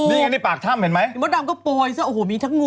นี่ไงปากถ้ำเห็นไหมเหมือนก็ดำก็ปลวยเสือขึ้นโหไม่มาก